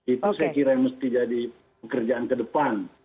itu saya kira yang mesti jadi pekerjaan ke depan